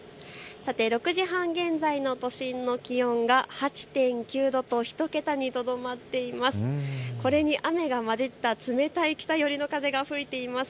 ６時半現在の都心の気温は８．９度と１桁にとどまっています。